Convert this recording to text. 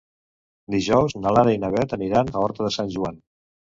Dijous na Lara i na Beth aniran a Horta de Sant Joan.